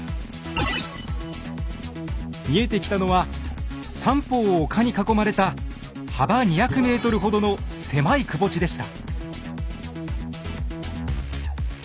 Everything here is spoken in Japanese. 見えてきたのは三方を丘に囲まれた幅２００ｍほどの狭いくぼ地でした。